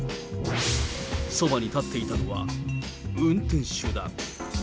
そばに立っていたのは、運転手だ。